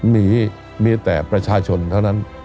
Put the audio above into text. มีมีแต่ประชาชนเท่านั้น